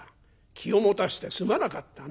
気を持たしてすまなかったな」。